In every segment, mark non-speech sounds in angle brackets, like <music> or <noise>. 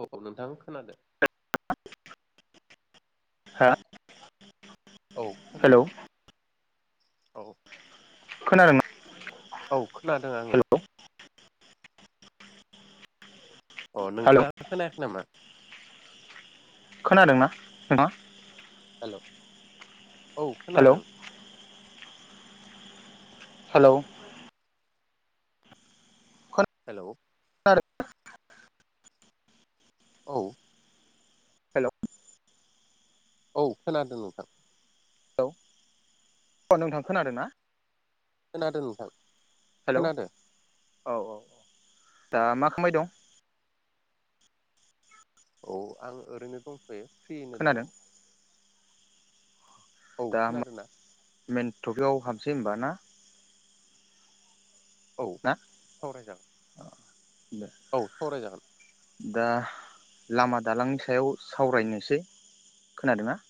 औ औ नोंथां खोनादो <unintelligible> हा औ हेलौ खोनादों औ खोनादों ना औ खोनादों आङो। अ' हेलौ नोंथाङा खोनाखै नामा? खोनादोंना नोंथाङा? हेल' औ हेलौ खोनादों। हेलौ हेलौ <unintelligible> औ हेलौ औ खोनादों नोंथां। हेलौ अ' नोंथां खोनादो ना? खोनादो नोंथां। हेलौ खोनादों औ औ औ दा मा खामबाय दं? औ आं ओरैनो दंथ'यो फ्रियैनो दङ। खोनादों औ दा मा खोनादोंना मेेन थपिकाव हाबसै होमबा ना। औ सावराय जागोन। आ दे। औ सावराय जागोन। दा लामा दालांनि सायाव सावरायनोसै। खोनादों ना?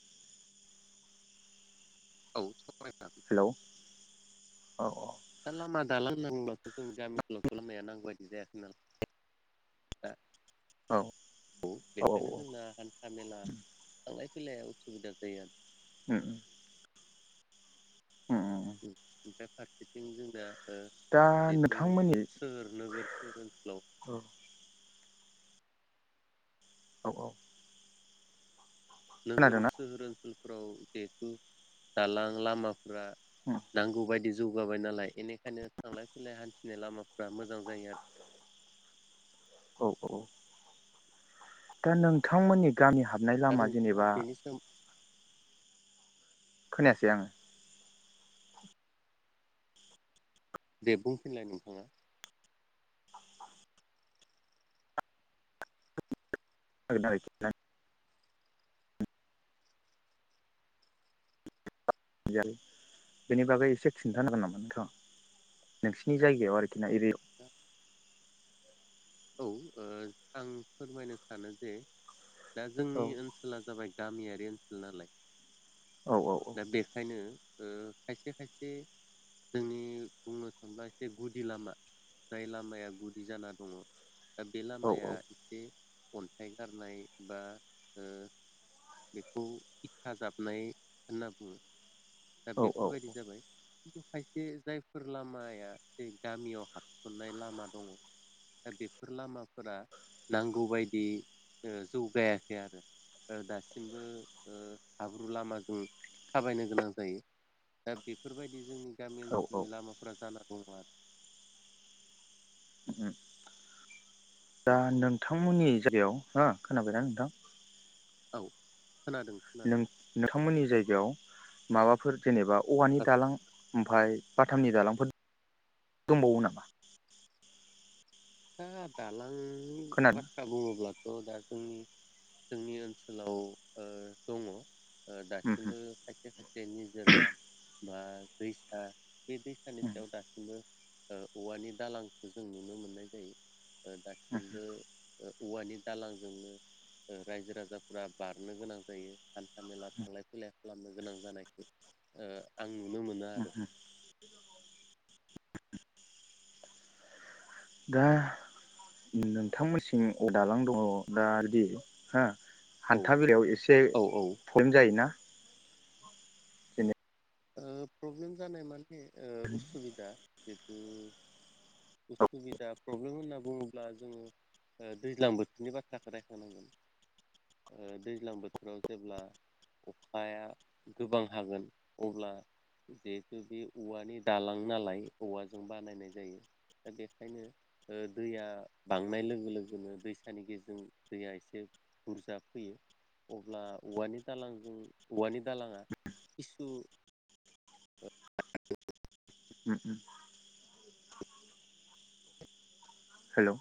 औ सावरायजागोन हेलौ औ औ दा लामा दालां होनना बुंब्लाथ' जोंनि गामिल' खालामनाया नांगौ बायदि जायासै नाल दा औ औ बेखायनो जोंना हान्था मेला थांलाय फैलाया उसुबिदा जायो आर ओ <unintelligible> उम ओमफाय फारसेथिं जोंना ओ दा जिहेथु नोथांमोननि सोहोर नोगोर नोगोरल' औ औ नोगोर खोनादोंना सोहोर ओनसोलफोराव जिहेथु दालां लामा फ्रा उम नांगौ बायदि जौगाबाय नालाय एनिखायनो थांलाय फैलाय हान्थिनाय लामाफ्रा मोजां जायो आरो। हौ औ दा नोंथांमोननि गामि हाबनाय दा लामा नोंथाङा जेनेबा बेनि सोम खोनायासै आङो। दे बुंफिनलाय नोंथाङा। <unintelligible> <unintelligible> बेनि बागै एसे खिन्थानो हागोन नामा नोंथाङा? नोंसिनि जायगायाव आरोखि ना एरियाव दा औ ओ आं फोरमायनो सानो जे दा जोंनि ओनसो ला जाबाय गामियारि ओनसोल नालाय। औ औ दा बेखायनो ओ खायसे खायसे जोंनि बुंनो थांबा एसे गुदि लामा जाय लामाया गुदि जाना दङ दा बे औ लामाया दि अन्थाइ गारनाय बा ओ बेखौ ईथा जाबनाय होनना बुङो। दा औ बेफोरबायदि जाबाय। खायसे जायफोर लामाया जै गामियाव हाबसननाय लामा दं। दा बेफोर लामाफोरा नांगौबायदि ओ जौगायाखै आरो ओ दासिमबो ओ हाब्रु लामाजों थाबायनो गोनां जायो दा बेफोरबायदि जोंनि गामि औ औ ओनसोलनि लामाफोरा जाना दङ आरो उ दा आरो नोंथांमोननि जायगायाव हो खोनाबायना नोंथां। औ खोनादों खोनादों। नों नोंथांमोननि जायगायाव माबाफोर जेनेबा औवानि दालां आमफाय बाथामनि दालाफोर दंबावो नामा? थाङा दालांनि खोनादों बाथ्रा बुङोब्ला थ' दा जोंनि जोंनि ओनसोलाव ओ दङ। ओ उम दासिमबो खायसे खायसे निजोरा बा दैैसा बे दैसानि उम सायाव दासिमबो ओ औवानि दालांखौ जों नुनो मोननाय जायो। दासिमबो ओ औवानि दालांजोंनो ओ रायजो-राजाफोरा बारनो गोनां जायो हान्था मेला थांलाय फैलाय खालामनो गोनां जानायखौ ओ आं नुनो मोनो उम आरो उम दा नोंथांमोनसिम दालां दङ ना‌ हा औ हान्था बेलाायाव एसे औ औ ओ प्रब्लेम जायोना? जेने ओ प्रब्लेम जानाय माने ओ उसुबिदा जिथु औ उसुबिदा प्रब्लेम होनना बुङोब्ला जोङो ओ दैज्लां बोथोरनि बाथ्राखो रायखांनांगोन। ओ दैज्लां बोथोराव जेब्ला अखाया गोबां हागोन अब्ला जिहेथु बे औवानि दालां नाला औवाजों बानायनाय जायो। दा बेखायनो ओ दैया बांनाय लोगो लोगोनो दैसानि गेजेरजों दैया एसे बुरजा फैयो अब्ला औवानि दालांजों औवानि दालाङा खिसु <inaudible> उ उ हेल'